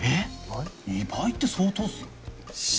２倍って相当ですよ。